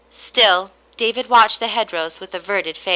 Still David watched the hedgerows with averted face.